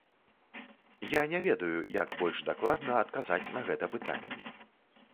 Я не ведаю, як больш дакладна адказаць на гэта пытанне.